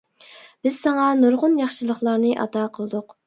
بىز ساڭا نۇرغۇن ياخشىلىقلارنى ئاتا قىلدۇق.